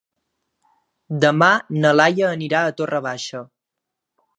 Demà na Laia anirà a Torre Baixa.